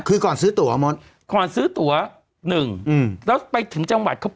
คือก่อนซื้อตัวมดก่อนซื้อตัวหนึ่งอืมแล้วไปถึงจังหวัดเขา